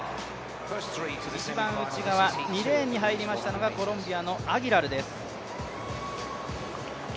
一番内側、２レーンに入りましたのがコロンビアのアギラルです。